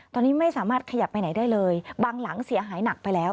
ตอนนี้ไม่สามารถขยับไปไหนได้เลยบางหลังเสียหายหนักไปแล้ว